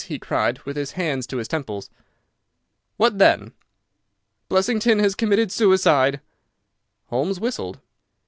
he cried, with his hands to his temples. "What then?" "Blessington has committed suicide!" Holmes whistled.